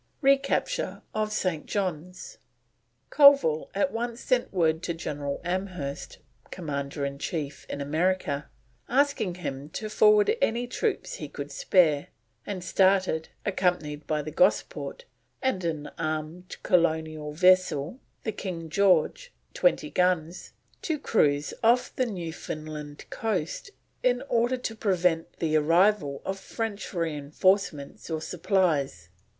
RECAPTURE OF ST. JOHN'S. Colville at once sent word to General Amherst, Commander in Chief in America, asking him to forward any troops he could spare, and started, accompanied by the Gosport, and an armed colonial vessel, the King George, 20 guns, to cruise off the Newfoundland coast in order to prevent the arrival of French reinforcements or supplies.